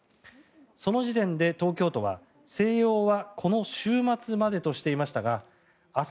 その時点で東京都は、静養はこの週末までとしていましたが明日